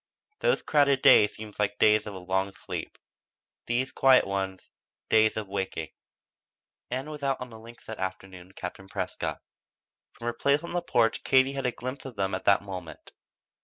Those crowded days seemed days of a long sleep; these quiet ones, days of waking. Ann was out on the links that afternoon with Captain Prescott. From her place on the porch Katie had a glimpse of them at that moment.